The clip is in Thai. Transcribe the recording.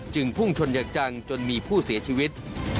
จึงพุ่งชนเยอะจังจนมีผู้เสียชีวิต